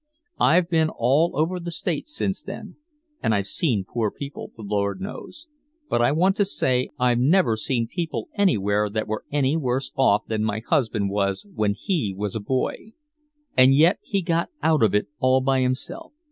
I've been all over the States since then, and I've seen poor people, the Lord knows but I want to say I've never seen people anywhere that were any worse off than my husband was when he was a boy. And yet he got out of it all by himself.